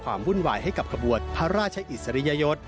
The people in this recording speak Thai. วุ่นวายให้กับขบวนพระราชอิสริยยศ